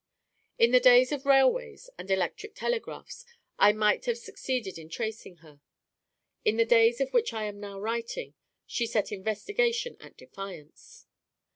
In the days of railways and electric telegraphs I might have succeeded in tracing her. In the days of which I am now writing, she set investigation at defiance.